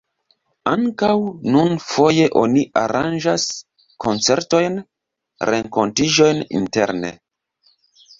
Ankaŭ nun foje oni aranĝas koncertojn, renkontiĝojn interne.